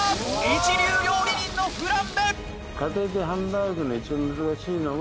一流料理人のフランベ！